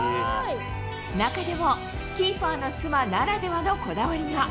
中でも、キーパーの妻ならではのこだわりが。